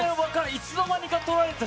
いつのまにか撮られてた。